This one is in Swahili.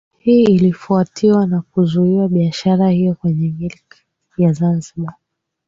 Hii ilifuatiwa na kuzuwia biashara hiyo kwenye milki ya Zanzibar